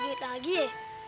danah calon ini